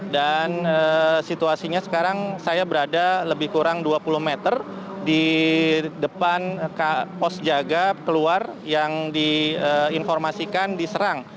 dan situasinya sekarang saya berada lebih kurang dua puluh meter di depan pos jaga keluar yang diinformasikan diserang